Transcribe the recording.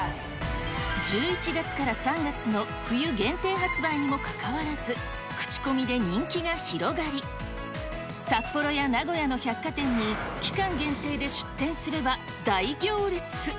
１１月から３月の冬限定発売にもかかわらず、口コミで人気が広がり、札幌や名古屋の百貨店に期間限定で出店すれば大行列。